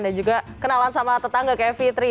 dan juga kenalan sama tetangga kayak fitri ya